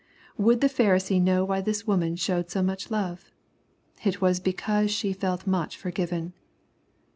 Would the Pharisee know why this woman showed so much love ? It was because she felt much forgiven.